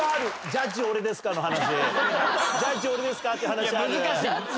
ジャッジ俺ですかの話？